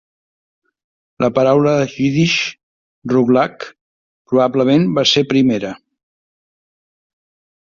La paraula jiddisch "ruglach" probablement va ser primera.